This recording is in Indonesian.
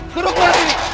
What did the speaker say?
suruh keluar lirik